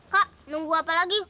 kak nunggu apa lagi